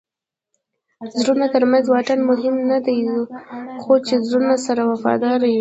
د زړونو ترمنځ واټن مهم نه دئ؛ خو چي زړونه سره وفادار يي.